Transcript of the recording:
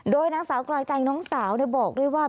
โดยนางสาวกลอยใจน้องสาวบอกด้วยว่า